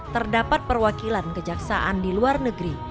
terdapat perwakilan kejaksaan di luar negeri